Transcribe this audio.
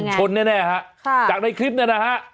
ชนแน่ฮะจากในคลิปเนี่ยนะฮะ